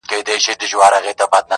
ستا پر تور تندي لیکلي کرښي وايي٫